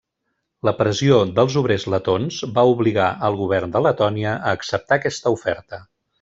La pressió dels obrers letons va obligar al govern de Letònia a acceptar aquesta oferta.